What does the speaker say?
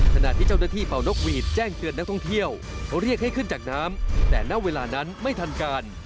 ขณะที่เจ้าหน้าที่เป่านกหวีดแจ้งเตือนนักท่องเที่ยวเขาเรียกให้ขึ้นจากน้ำแต่ณเวลานั้นไม่ทันการ